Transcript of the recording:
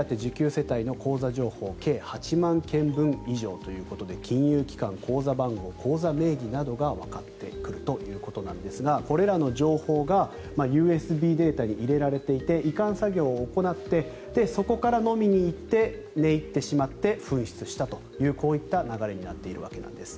世帯の口座情報計８万件分以上ということで金融機関、口座番号口座名義などがわかってくるということですがこれらの情報がＵＳＢメモリーに入れられていて移管作業を行ってそこから飲みに行って寝入ってしまって紛失したという流れになっているわけなんです。